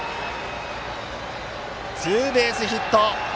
ツーベースヒット！